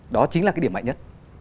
đó chính là cái điểm mạnh nhất